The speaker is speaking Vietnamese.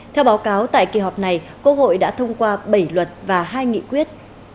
theo báo cáo tại kỳ họp này quốc hội đã thông qua bảy luật và hai nghị quyết